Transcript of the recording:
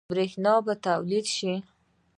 برښنا به تولید شي؟